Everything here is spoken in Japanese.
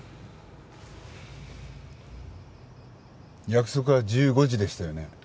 約束は１５時でしたよね？